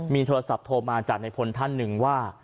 มีโทรศัพท์โทรมาจากในพลท่านหนึ่งว่า